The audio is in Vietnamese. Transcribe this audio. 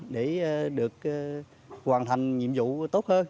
để được hoàn thành nhiệm vụ tốt hơn